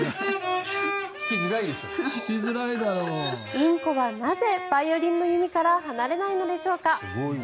インコはなぜバイオリンの弓から離れないのでしょうか。